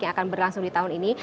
yang akan berlangsung di tahun ini